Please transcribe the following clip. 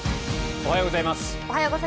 おはようございます。